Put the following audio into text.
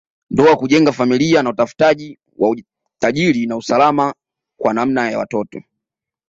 Ndoa kujenga familia na utafutaji wa utajiri na usalama kwa namna ya watoto